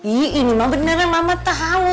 iya ini mah beneran mama tahu